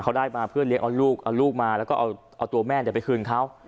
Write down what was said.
เขาได้มาเพื่อเลี้ยงเอาลูกมาแล้วก็เอาตัวแม่เดี๋ยวไปคืนเขา